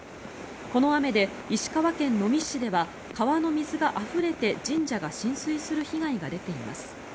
この雨で石川県能美市では川の水があふれて神社が浸水する被害が出ています。